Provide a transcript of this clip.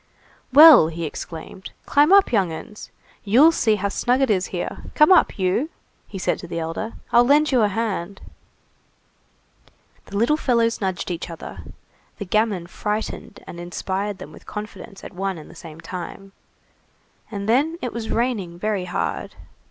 "Well!" he exclaimed, "climb up, young 'uns! You'll see how snug it is here! Come up, you!" he said to the elder, "I'll lend you a hand." The little fellows nudged each other, the gamin frightened and inspired them with confidence at one and the same time, and then, it was raining very hard.